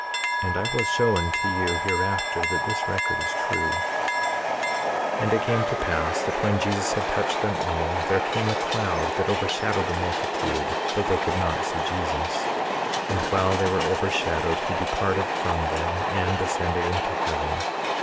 And I will show unto you hereafter that this record is true. 18:38 And it came to pass that when Jesus had touched them all, there came a cloud and overshadowed the multitude that they could not see Jesus. 18:39 And while they were overshadowed he departed from them, and ascended into heaven.